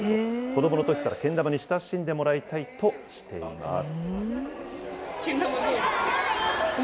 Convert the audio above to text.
子どものときからけん玉に親しんでもらいたいとしています。